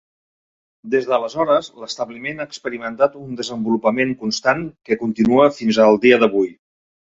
Des d'aleshores, l'establiment ha experimentat un desenvolupament constant que continua fins al dia d'avui.